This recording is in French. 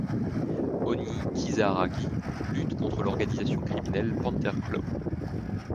Honey Kisaragi lutte contre l'organisation criminelle Panther Claw.